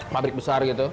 pabrik besar gitu